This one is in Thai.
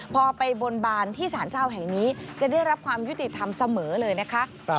พอไปบนบานที่สารเจ้าแห่งนี้จะได้รับความยุติธรรมเสมอเลยนะคะ